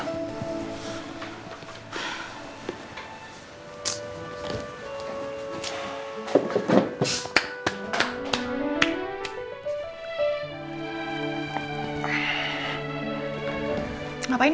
kalak banget sih ya